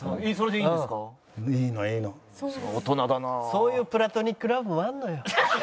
そういうプラトニック・ラブもあるのよ。